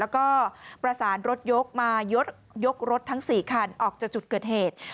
แล้วก็ประสานรถยกมายกรถทั้ง๔คันออกจากจุดเกิดเหตุ